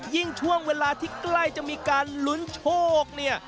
ช่วงเวลาที่ใกล้จะมีการลุ้นโชคเนี่ย